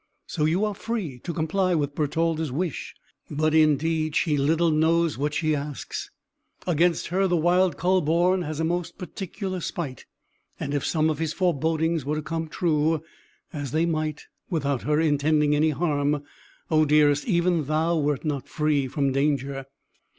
So you are free to comply with Bertalda's wish; but indeed, she little knows what she asks. Against her the wild Kühleborn has a most particular spite, and if some of his forebodings were to come true, (as they might, without her intending any harm) O, dearest, even thou wert not free from danger!"